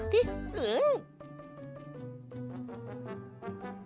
うん！